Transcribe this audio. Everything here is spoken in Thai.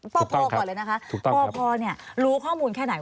ปพก่อนเลยนะคะปพรู้ข้อมูลแค่ไหน